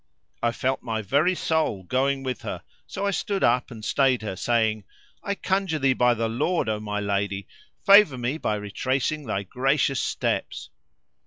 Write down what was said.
I felt my very soul going with her; so I stood up and stayed her, saying, "I conjure thee by the Lord, O my lady, favour me by retracing thy gracious steps."